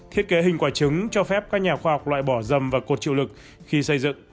thiết kế hình quả trứng cho phép các nhà khoa học loại bỏ dầm và cột chịu lực khi xây dựng